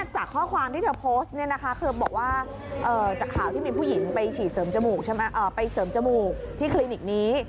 จากข่าวที่มีผู้หญิงไปเสริมจมูกที่คลินิกนี้